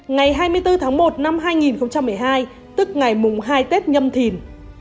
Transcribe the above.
ngày hai mươi bốn tháng một năm hai nghìn một mươi hai tức ngày mùng hai tết nhâm thìn